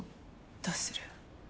どうする？